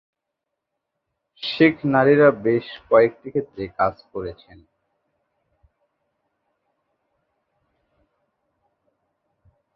শিখ নারীরা বেশ কয়েকটি ক্ষেত্রে কাজ করছেন,।